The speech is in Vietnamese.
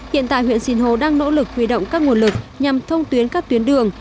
hiện tại huyện sinh hồ đang nỗ lực huy động các nguồn lực nhằm thông tuyến các tuyến đường